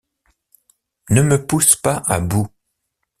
Ne me pousse pas à bout.